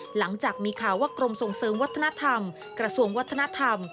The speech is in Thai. หลังจากมีข่าวว่ากรมส่งเสริมวัฒนธรรมกระทรวงวัฒนธรรม